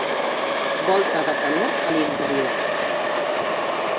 Volta de canó a l'interior.